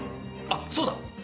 あっそうだ。